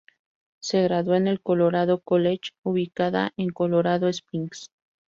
Se graduó en el Colorado College, ubicado en Colorado Springs.